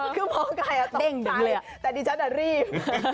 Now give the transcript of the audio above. คือพ่อไก่ต้องใจแต่ดิฉันอ่ะรีบ